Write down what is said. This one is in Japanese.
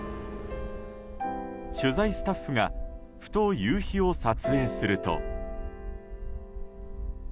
取材スタッフがふと夕日を撮影すると。